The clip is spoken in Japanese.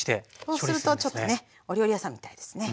そうするとちょっとねお料理屋さんみたいですね。